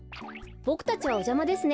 ボクたちはおじゃまですね。